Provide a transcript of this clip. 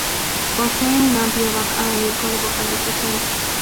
Posee un amplio abanico de vocalizaciones.